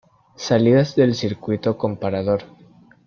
Salidas del circuito comparador.